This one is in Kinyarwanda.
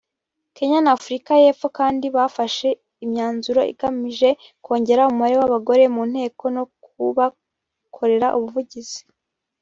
Kenya n’Afurika y’Epfo kandi bafashe imyanzuro igamije kongera umubare w’abagore mu Nteko no kubakorera ubuvugizi